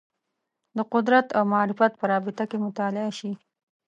د قدرت او معرفت په رابطه کې مطالعه شي